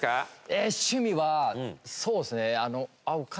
えっ趣味はそうですね。